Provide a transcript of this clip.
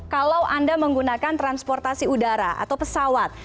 kalau anda menggunakan transportasi udara atau pesawat